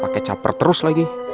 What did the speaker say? pakai caper terus lagi